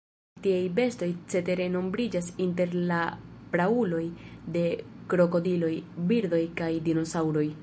Tiaj bestoj cetere nombriĝas inter la prauloj de krokodiloj, birdoj kaj dinosaŭroj.